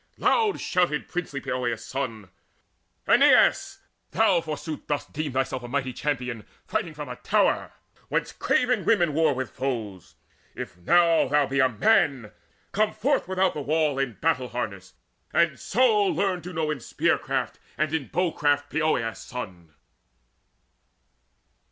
Loud shouted princely Poeas' son: "Aeneas, thou, forsooth, dost deem thyself A mighty champion, fighting from a tower Whence craven women war with foes! Now if Thou be a man, come forth without the wall In battle harness, and so learn to know In spear craft and in bow craft Poeas' son!"